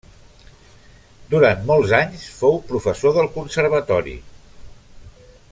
Durant molts anys fou professor del Conservatori.